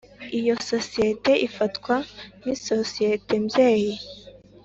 iyo sosiyete ifatwa nk isosiyete mbyeyi